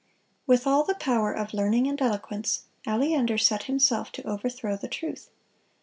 With all the power of learning and eloquence, Aleander set himself to overthrow the truth.